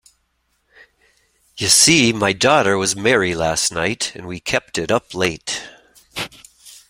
Ye see, my daughter was merry last night, and we kept it up late.